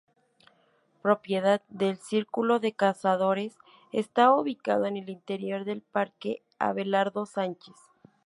Propiedad del Círculo de Cazadores, estaba ubicado en el interior del Parque Abelardo Sánchez.